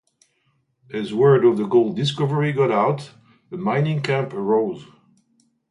As word of the gold discovery got out, a mining camp arose.